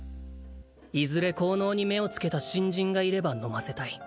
「いずれ効能に目をつけた新人がいれば飲ませたい」